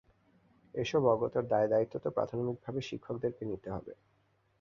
এসব অজ্ঞতার দায় দায়িত্ব তো প্রাথমিকভাবে শিক্ষকদের নিতে হবে।